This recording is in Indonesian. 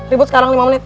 ribut sekarang lima menit